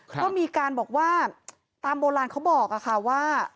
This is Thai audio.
ก็มีการบอกว่าตามโบราณเขาบอกค่ะว่า